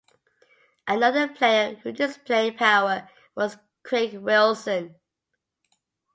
Another player who displayed power was Craig Wilson.